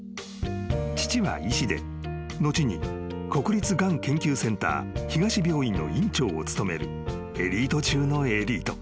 ［父は医師で後に国立がん研究センター東病院の院長を務めるエリート中のエリート］